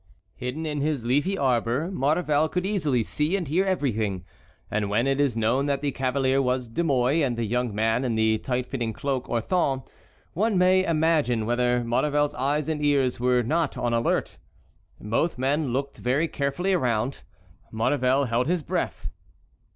Hidden in his leafy arbor, Maurevel could easily see and hear everything, and when it is known that the cavalier was De Mouy and the young man in the tight fitting cloak Orthon, one may imagine whether Maurevel's eyes and ears were not on the alert. Both men looked very carefully around. Maurevel held his breath.